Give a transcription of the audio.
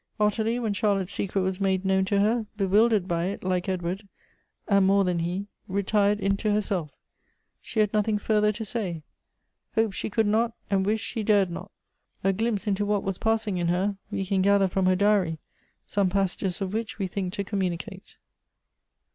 Ottilie, when Charlotte's secret was made known to her, bewildered by it, like Edward, and more than he, retired into herself — she had nothing further to say : hope she could not, and wish she dared not. A glimpse into what was passing in her we can gather from her Diary, some passages of which we think to communicate.